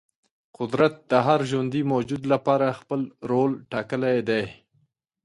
قدرت د هر ژوندې موجود لپاره خپل رول ټاکلی دی.